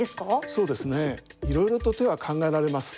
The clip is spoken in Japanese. そうですねいろいろと手は考えられます。